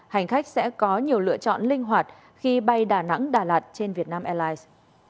hành khách sẽ có nhiều lựa chọn linh hoạt khi bay đà nẵng đà lạt trên vietnam airlines